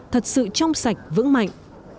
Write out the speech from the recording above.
thật sự trong sạch vững mạnh